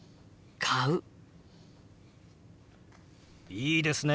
いいですね。